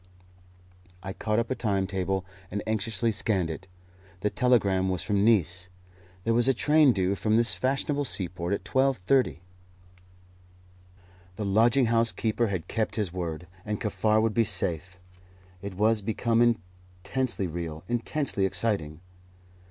_" I caught up a time table and anxiously scanned it. The telegram was from Nice. There was a train due from this fashionable seaport at 12.30. The lodging house keeper had kept his word, and Kaffar would be safe. It was become intensely real, intensely exciting!